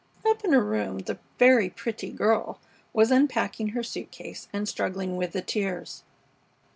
Up in her room the "very pretty girl" was unpacking her suit case and struggling with the tears.